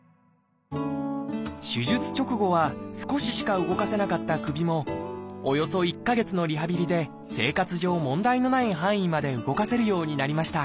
手術直後は少ししか動かせなかった首もおよそ１か月のリハビリで生活上問題のない範囲まで動かせるようになりました。